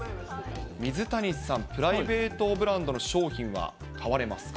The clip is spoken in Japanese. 水谷さん、プライベートブランドの商品は買われますか？